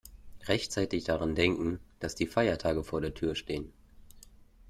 Rechtzeitig daran denken, dass die Feiertage vor der Tür stehen.